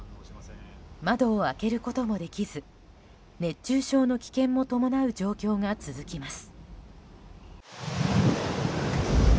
窓を開けることもできず熱中症の危険も伴う状況が続きます。